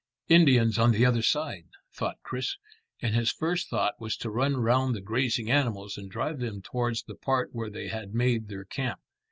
"Indians on the other side," thought Chris, and his first thought was to run round the grazing animals and drive them towards the part where they had made their camp.